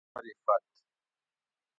بمعرفت